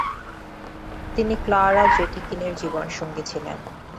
তিনি ক্লারা জেটকিনের জীবনসঙ্গী ছিলেন।